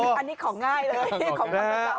โอ้โหอันนี้ของง่ายเลยของความกระต่ำ